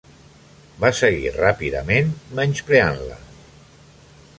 Va seguir ràpidament, menyspreant-la.